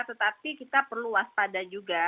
tetapi kita perlu waspada juga